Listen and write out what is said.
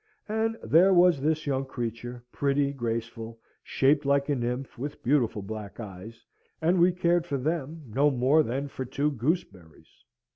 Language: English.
And there was this young creature pretty, graceful, shaped like a nymph, with beautiful black eyes and we cared for them no more than for two gooseberries!